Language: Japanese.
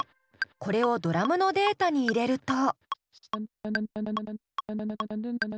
これをドラムのデータに入れると。